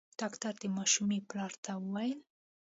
ډاکټر د ماشومي پلار ته وويل :